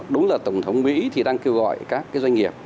đúng là tổng thống mỹ thì đang kêu gọi các cái doanh nghiệp